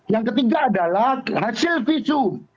yang ketiga adalah hasil visum